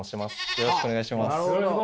よろしくお願いします。